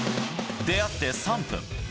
出会って３分。